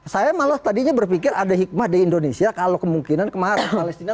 saya malah tadinya berpikir ada hikmah di indonesia kalau kemungkinan kemarin palestina